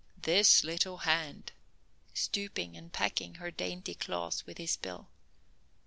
"This little hand," stooping and pecking her dainty claws with his bill.